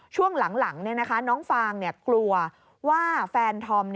ช่วงหลังน้องฟางกลัวว่าแฟนธอม